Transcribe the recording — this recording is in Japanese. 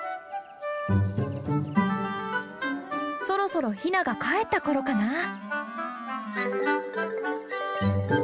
そろそろヒナがかえったころかな？